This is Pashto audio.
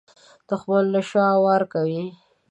دښمن له شا وار کوي